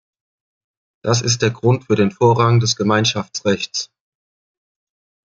Das ist der Grund für den Vorrang des Gemeinschaftsrechts!